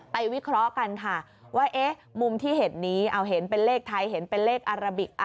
วิเคราะห์กันค่ะว่ามุมที่เห็นนี้เอาเห็นเป็นเลขไทยเห็นเป็นเลขอาราบิก